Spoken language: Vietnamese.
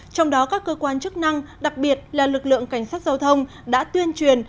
trong đó các cơ quan chức năng đặc biệt là lực lượng cảnh sát giao thông đã tuyên truyền